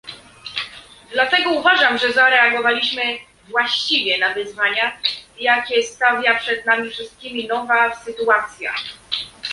Dlatego uważam, że zareagowaliśmy właściwie na wyzwania, jakie stawia przed nami wszystkimi nowa sytuacja